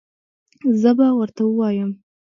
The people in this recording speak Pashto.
زه به ورته ووایم